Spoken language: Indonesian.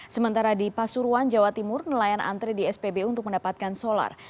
sementara di pasuruan jawa timur nelayan antre di spbu untuk mendapatkan solar